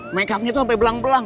make up nya tuh sampe belang belang